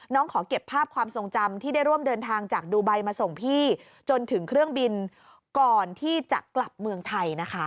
ขอเก็บภาพความทรงจำที่ได้ร่วมเดินทางจากดูไบมาส่งพี่จนถึงเครื่องบินก่อนที่จะกลับเมืองไทยนะคะ